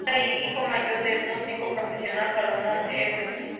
Era el hijo mayor del músico profesional Solomon Eccles.